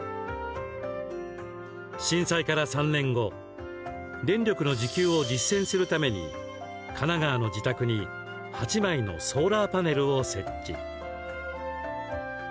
震災から３年後電力の自給を実践するために神奈川の自宅に８枚のソーラーパネルを設置。